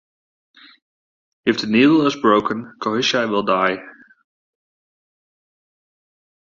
If the needle is broken, Koschei will die.